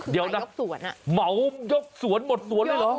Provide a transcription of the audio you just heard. เดี๋ยวนะเหมายกสวนหมดสวนเลยเหรอ